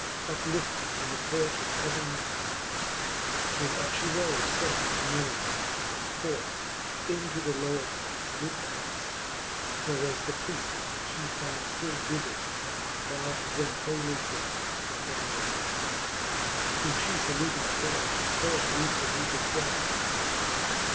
Up lifted in the porch of heaven hie. Then up fhe rofe fraught with melancholy, And forth into the lower parts did pas; Whereas the prieftes fhe found full bufily About their holy things for morrow Mas : Whom fhe faluting faire, faire rcfaluted was.